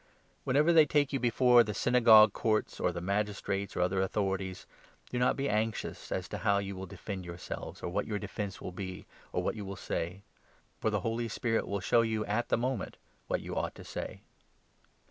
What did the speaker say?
Whenever they take you before the Synagogue Courts or the magistrates or other authorities, do not be anxious as to how you will defend yourselves, or what your defence will be, or what you will say ; for the Holy Spirit will show you at the moment what you ought to say."